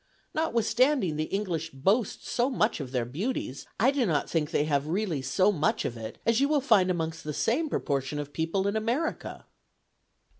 Notwithstanding the English boast so much of their beauties, I do not think they have really so much of it as you will find amongst the same proportion of people in America."